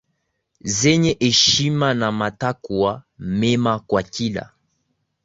zenye heshima na matakwa mema kwa kila